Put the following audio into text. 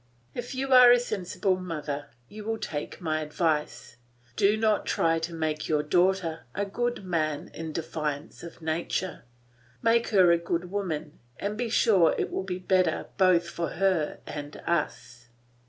If you are a sensible mother you will take my advice. Do not try to make your daughter a good man in defiance of nature. Make her a good woman, and be sure it will be better both for her and us.